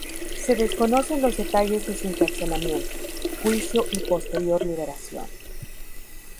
Se desconocen los detalles de su encarcelamiento, juicio y posterior liberación.